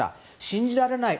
信じられない。